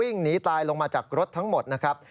หนีตายลงมาจากรถทั้งหมดนะครับ